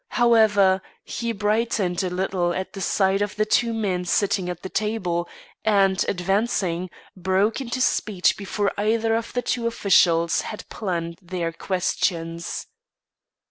However, he brightened a little at sight of the two men sitting at the table, and, advancing, broke into speech before either of the two officials had planned their questions.